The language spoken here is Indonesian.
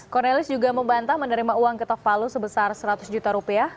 cornelis juga membantah menerima uang ketok palu sebesar seratus juta rupiah